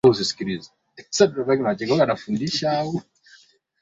Alizunguka Rasi ya Tumaini Jema kusini mwa Afrika